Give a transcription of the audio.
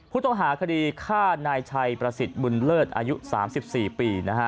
ผู้ต้องหาคดีฆ่านายชัยประสิทธิ์บุญเลิศอายุ๓๔ปีนะฮะ